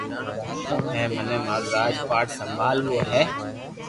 ھي مني مارو راج پاٺ سمڀالووُ ھي